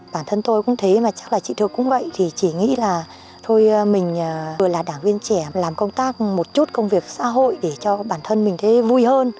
bản thân tôi cũng thế mà chắc là chị thuộc cũng vậy thì chỉ nghĩ là thôi mình vừa là đảng viên trẻ làm công tác một chút công việc xã hội để cho bản thân mình thấy vui hơn